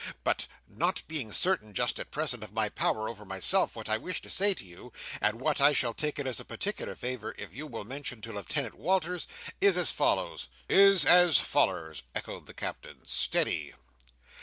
But not being certain, just at present, of my power over myself, what I wish to say to you, and what I shall take it as a particular favour if you will mention to Lieutenant Walters, is as follows." "Is as follers," echoed the Captain. "Steady!"